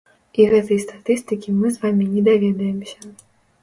І гэтай статыстыкі мы з вамі не даведаемся.